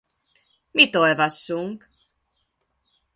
Mit olvassunk?